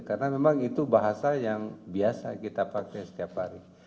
karena memang itu bahasa yang biasa kita pakai setiap hari